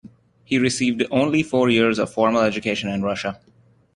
He received only four years of formal education in Russia.